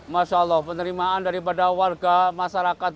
masya allah penerimaan daripada warga masyarakat